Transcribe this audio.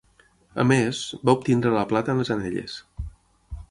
A més, va obtenir la plata en les anelles.